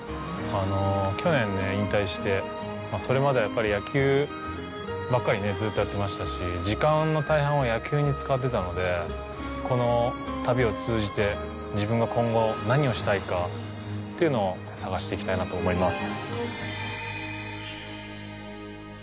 去年、引退して、それまでは、やっぱり野球ばっかりずうっとやってましたし、時間の大半を野球に使ってたので、この旅を通じて、自分が今後、何をしたいかというのを探していきたいなと思います。